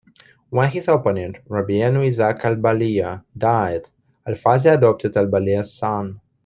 When his opponent Rabbeinu Isaac Albalia died, Alfasi adopted Albalia's son.